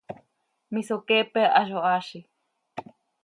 misoqueepe ha zo haazi!